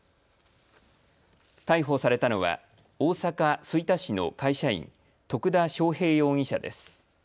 逮捕されたのは大阪吹田市の会社員、徳田翔平容疑者です。